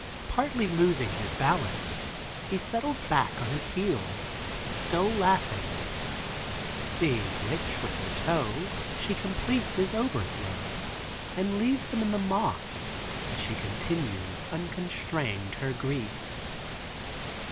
Partly losing his balance, he settles back on his heels, still laughing, seeing which with her toe she completes his overthrow and leaves him in the moss as she continues unconstrained her grief.